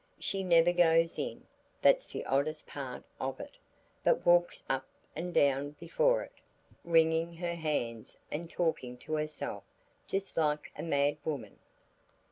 She never goes in, that's the oddest part of it, but walks up and down before it, wringing her hands and talking to herself just like a mad woman.